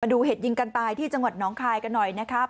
ดูเหตุยิงกันตายที่จังหวัดน้องคายกันหน่อยนะครับ